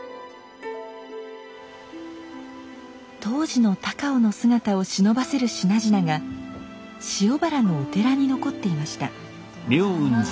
当時の高尾の姿をしのばせる品々が塩原のお寺に残っていました。